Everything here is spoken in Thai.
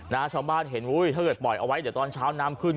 ชาวบ้านเห็นอุ้ยถ้าเกิดปล่อยเอาไว้เดี๋ยวตอนเช้าน้ำขึ้น